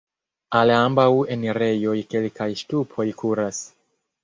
Al ambaŭ enirejoj kelkaj ŝtupoj kuras.